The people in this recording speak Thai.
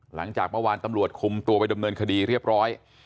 หลังจากเมื่อวานตำรวจคุมตัวไปดำเนินคดีเรียบร้อย